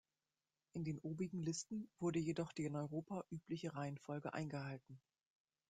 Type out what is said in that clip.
In den obigen Listen wurde jedoch die in Europa übliche Reihenfolge eingehalten.